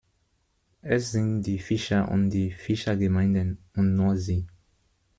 Es sind die Fischer und die Fischergemeinden, und nur sie.